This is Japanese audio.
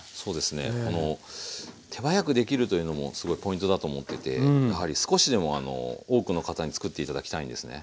この手早くできるというのもすごいポイントだと思っててやはり少しでも多くの方に作って頂きたいんですね。